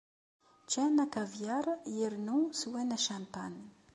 Ččan akavyaṛ yernu swan acampan.